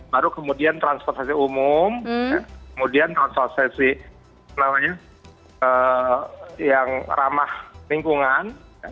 baru kemudian transportasi umum kemudian asosiasi yang ramah lingkungan